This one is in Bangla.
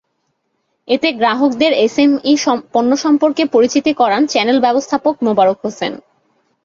এতে গ্রাহকদের এসএমই পণ্য সম্পর্কে পরিচিতি করান চ্যানেল ব্যবস্থাপক মোবারক হোসেন।